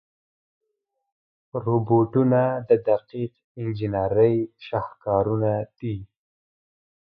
روبوټونه د دقیق انجنیري شاهکارونه دي.